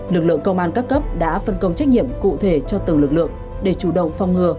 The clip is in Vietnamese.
lực lượng công an các cấp đã phân công trách nhiệm cụ thể cho từng lực lượng để chủ động phòng ngừa